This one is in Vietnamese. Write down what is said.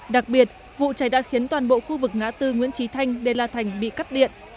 đặc biệt vụ cháy đã khiến toàn bộ khu vực ngã tư nguyễn trí thanh đê la thành bị cắt điện